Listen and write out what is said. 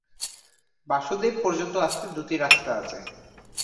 বাসুদেব পর্যন্ত আসতে দুটি রাস্তা আছে।